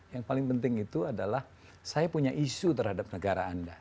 yang paling penting itu adalah saya punya isu terhadap negara anda